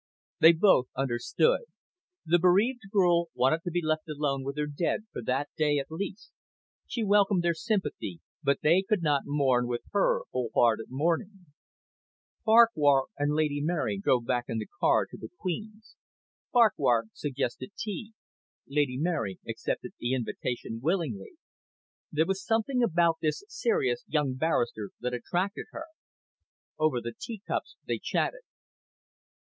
They both understood. The bereaved girl wanted to be left alone with her dead, for that day at least. She welcomed their sympathy, but they could not mourn with her whole hearted mourning. Farquhar and Lady Mary drove back in the car to the "Queen's." Farquhar suggested tea. Lady Mary accepted the invitation willingly. There was something about this serious young barrister that attracted her. Over the teacups they chatted.